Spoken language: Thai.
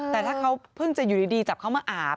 แต่ถ้าเขาเพิ่งจะอยู่ดีจับเขามาอาบ